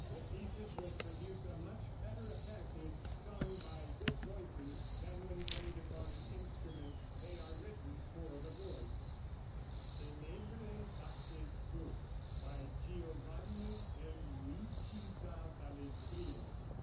The pieces will produce a much better effect if sung by good voices than when played upon an instrument. They are written for the voice. [Music illustration: "TENEBRÆ FACTÆ SUNT," BY GIOVANNI PIERLUIGI DA PALESTRINA.